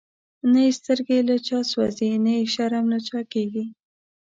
نه یی سترگی له چا سوځی، نه یی شرم له چا کیږی